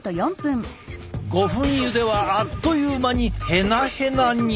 ５分ゆではあっという間にヘナヘナに。